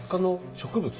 植物。